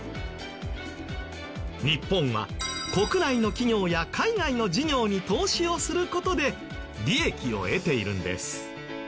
日本は国内の企業や海外の事業に投資をする事で利益を得ているんです。